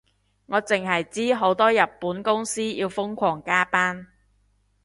我淨係知好多日本公司要瘋狂加班